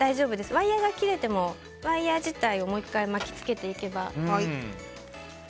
ワイヤが切れてもワイヤ自体をもう１回、巻き付けていけば。